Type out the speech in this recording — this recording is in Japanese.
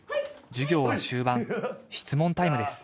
授業は終盤質問タイムです